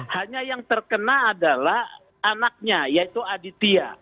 hanya yang terkena adalah anaknya yaitu aditya